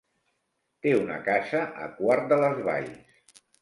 Té una casa a Quart de les Valls.